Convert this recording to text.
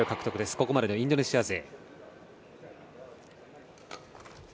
ここまでのインドネシア勢。